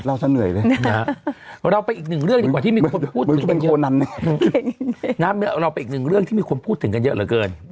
เราก็เอาไปอีกหนึ่งเรื่องดีกว่าที่มีคนพูดถึงเยอะกว่าเกิน